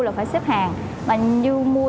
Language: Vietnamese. là phải xếp hàng mà như mua